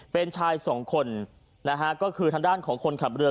เป็นชาย๒คนก็คือทางด้านของคนขับเรือ